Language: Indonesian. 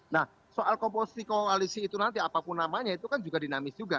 nah soal komposi koalisi itu nanti apapun namanya itu kan juga dinamis juga